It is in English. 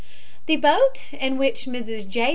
The boat in which Mrs. J.